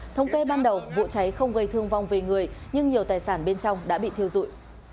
thống kê ban đầu vụ cháy không gây thương vong về người nhưng nhiều tài sản bên trong đã bị thiêu dụi